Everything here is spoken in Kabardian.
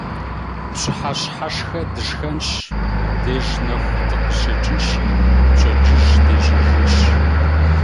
Пщыхьэщхьэшхэ дышхэнщ, мыбдеж нэху дыкъыщекӀынщи, пщэдджыжь дежьэжынщ .